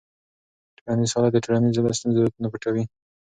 ټولنیز حالت د ټولنې له ستونزو نه پټوي.